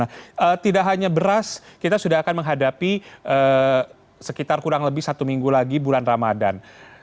karena tidak hanya beras kita sudah akan menghadapi sekitar kurang lebih satu minggu lagi bulan ramadan